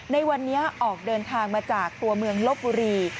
ในวันนี้ออกเดินทางมาจากตัวเมืองลบบุรี